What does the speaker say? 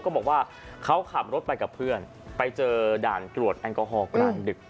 เขาบอกว่าเขาขับรถไปกับเพื่อนไปเจอด่านตรวจแอลกอฮอลกลางดึก